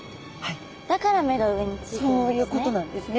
だから目が上についてるんですね。